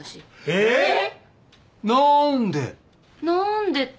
なんで？